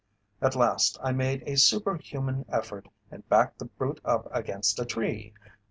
"At last I made a superhuman effort and backed the brute up against a tree.